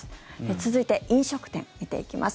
続いて飲食店、見ていきます。